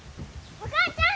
・お母ちゃん！